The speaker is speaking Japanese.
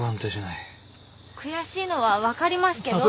悔しいのは分かりますけど。